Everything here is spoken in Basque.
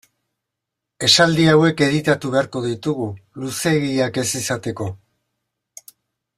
Esaldi hauek editatu beharko ditugu luzeegiak ez izateko.